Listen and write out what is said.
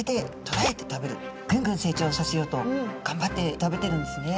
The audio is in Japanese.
ぐんぐん成長させようとがんばって食べてるんですね。